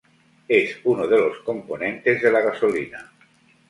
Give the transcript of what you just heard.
Es uno de los componentes de la gasolina.